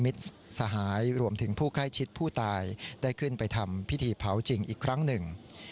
สหายรวมถึงผู้ใกล้ชิดผู้ตายได้ขึ้นไปทำพิธีเผาจริงอีกครั้งหนึ่ง